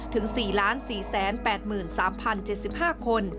ถึง๔๔๘๓๐๗๕คน